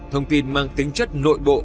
thông tin mang tính chất nội bộ